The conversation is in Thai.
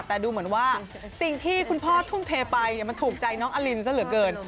แต่ดูเหมือนว่าสิ่งที่คุณพ่อทุ่มเทไปมันถูกใจน้องอลินซะเหลือเกิน